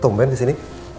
tumben di sini